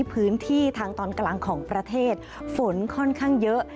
พื้นที่ทางตอนกลางของประเทศฝนค่อนข้างเยอะ